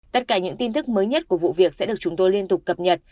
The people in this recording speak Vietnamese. tất cả những tin tức mới nhất của vụ việc sẽ được chúng tôi liên tục cập nhật